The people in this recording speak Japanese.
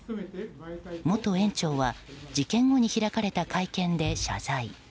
元園長は事件後に開かれた会見で謝罪。